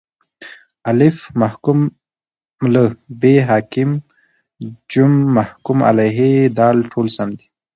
الف: محکوم له ب: حاکم ج: محکوم علیه د: ټوله سم دي